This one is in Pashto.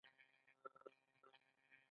آیا مکینټاش مڼه کاناډايي نه ده؟